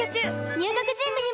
入学準備にも！